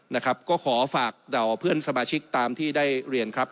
นะครับก็ขอฝากเหล่าเพื่อนสมาชิกตามที่ได้เรียนครับ